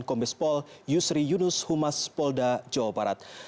kombes pol yusri yunus humas polda jawa barat